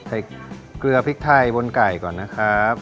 เกลือพริกไทยบนไก่ก่อนนะครับ